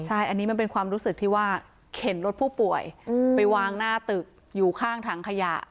ใช่อันนี้มันเป็นความรู้สึกที่ว่าเข็นรถผู้ป่วยไปวางหน้าตึกอยู่ข้างถังขยะ